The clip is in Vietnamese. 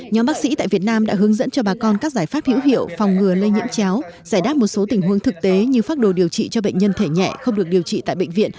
nhóm bác sĩ tại việt nam đã hướng dẫn cho bà con các giải pháp hữu hiệu phòng ngừa lây nhiễm chéo giải đáp một số tình huống thực tế như phác đồ điều trị cho bệnh nhân thể nhẹ không được điều trị tại bệnh viện